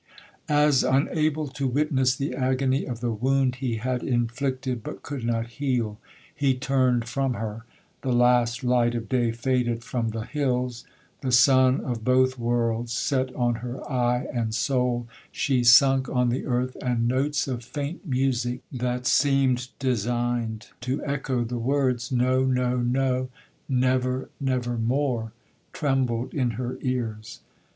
'As, unable to witness the agony of the wound he had inflicted but could not heal, he turned from her, the last light of day faded from the hills—the sun of both worlds set on her eye and soul—she sunk on the earth, and notes of faint music that seemed designed to echo the words—'No—no—no—never—never more!' trembled in her ears.